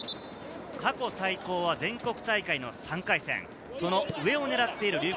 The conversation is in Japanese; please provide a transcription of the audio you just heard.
過去最高は全国大会３回戦、その上を狙っている龍谷。